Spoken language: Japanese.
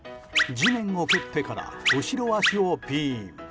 地面を蹴ってから後ろ脚をピーン！